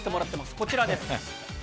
こちらです。